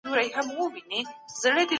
د کډوالو په وړاندي باید نرم چلند وشي.